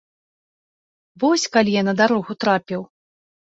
Вось калі я на дарогу трапіў.